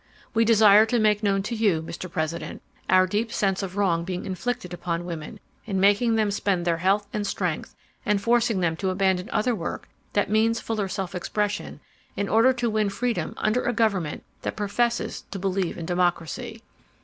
"We desire to make known to you, Mr. President, our deep sense of wrong being inflicted upon women in making them spend their health and strength and forcing them to abandon other work that means fuller self expression, in order to win freedom under a government that professes to believe in democracy.